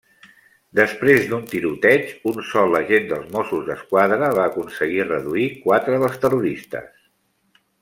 Després d'un tiroteig, un sol agent dels Mossos d'Esquadra va aconseguir reduir quatre dels terroristes.